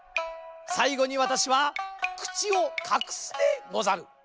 さいごにわたしはくちをかくすでござる。